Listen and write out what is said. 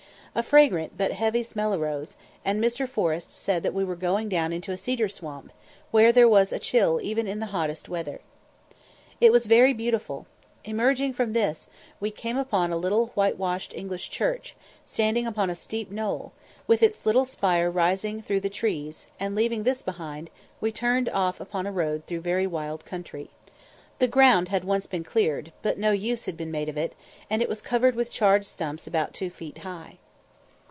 A fragrant but heavy smell arose, and Mr. Forrest said that we were going down into a cedar swamp, where there was a chill even in the hottest weather. It was very beautiful. Emerging from this, we came upon a little whitewashed English church, standing upon a steep knoll, with its little spire rising through the trees; and leaving this behind, we turned off upon a road through very wild country. The ground had once been cleared, but no use had been made of it, and it was covered with charred stumps about two feet high.